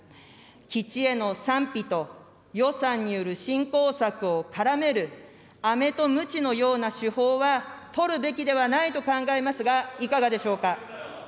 基地への賛否と予算による振興策を絡めるアメとムチのような手法は取るべきではないと考えますが、いかがでしょうか。